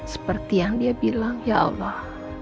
seperti yang dia bilang ya allah